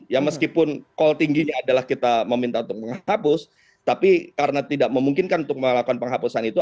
ya meskipun call tingginya adalah kita meminta untuk menghapus tapi karena tidak memungkinkan untuk melakukan penghapusan itu